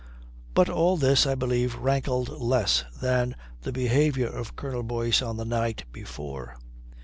But all this, I believe, rankled less than the behaviour of Colonel Boyce on the night before.